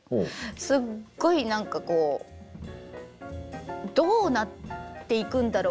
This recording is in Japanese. すっごい何かこうどうなっていくんだろう